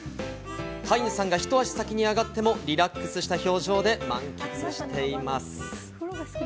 飼い主さんが一足先にあがってもリラックスした表情で満喫しています。